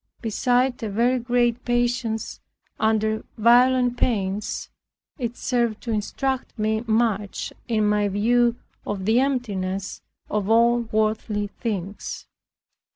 Beside a very great patience under violent pains, it served to instruct me much in my view of the emptiness of all worldly things.